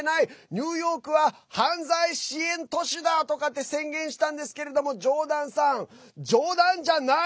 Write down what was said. ニューヨークは犯罪支援都市だ！とかって宣言したんですけれどもジョーダンさん、冗談じゃない！